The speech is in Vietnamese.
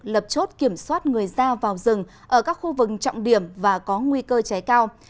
lập chốt kiểm soát người ra vào rừng ở các khu vực trọng điểm và có nguy cơ cháy cao